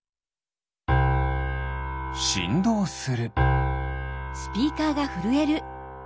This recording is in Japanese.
しんどうする。